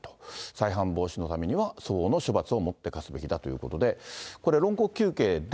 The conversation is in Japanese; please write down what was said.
再犯防止のためには相応の処罰を持って科すべきだということで、これ、論告求刑で。